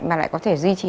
mà lại có thể duy trì